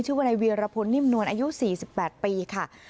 ชื่อว่าในเวียรพลนิ่มนวลอายุ๔๘ปีค่ะ